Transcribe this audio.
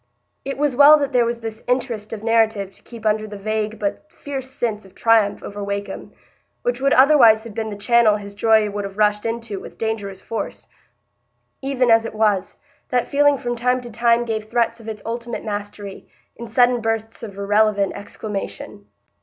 It was well that there was this interest of narrative to keep under the vague but fierce sense of triumph over Wakem, which would otherwise have been the channel his joy would have rushed into with dangerous force. Even as it was, that feeling from time to time gave threats of its ultimate mastery, in sudden bursts of irrelevant exclamation.